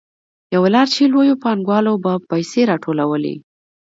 یوه لار چې لویو پانګوالو به پیسې راټولولې